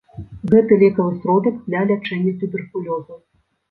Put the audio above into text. Гэта лекавы сродак для лячэння туберкулёзу.